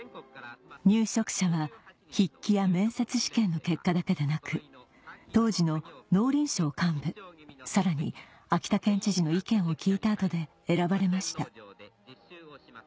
入植者は筆記や面接試験の結果だけでなく当時の農林省幹部さらに秋田県知事の意見を聞いた後で選ばれました